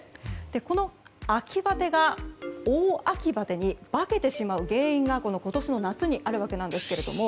この秋バテが大秋バテに化けてしまう原因がこの、今年の夏にあるわけなんですけれども。